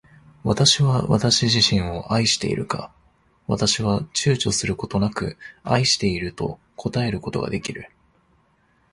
私は私自身を愛しているか。私は躊躇ちゅうちょすることなく愛していると答えることが出来る。